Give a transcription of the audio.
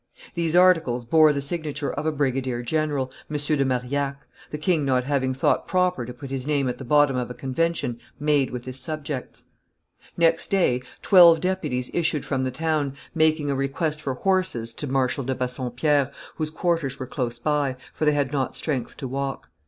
These articles bore the signature of a brigadier general, M. de Marillac, the king not having thought proper to put his name at the bottom of a convention made with his subjects. Next day, twelve deputies issued from the town, making a request for horses to Marshal de Bassompierre, whose quarters were close by, for they had not strength to walk.